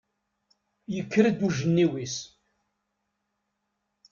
Yekker-d ujenniw-is.